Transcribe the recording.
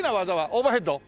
オーバーヘッド？